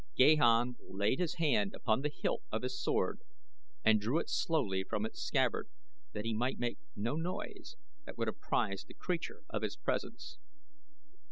Gahan laid his hand upon the hilt of his sword and drew it slowly from its scabbard that he might make no noise that would apprise the creature of his presence.